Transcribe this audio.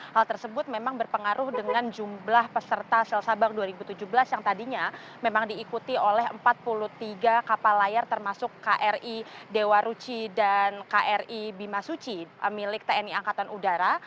hal tersebut memang berpengaruh dengan jumlah peserta sel sabang dua ribu tujuh belas yang tadinya memang diikuti oleh empat puluh tiga kapal layar termasuk kri dewa ruci dan kri bimasuci milik tni angkatan udara